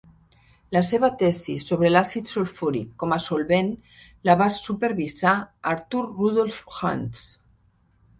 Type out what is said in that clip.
La seva tesi sobre l'àcid sulfúric como a solvent la va supervisar Arthur Rudolf Hantzsch.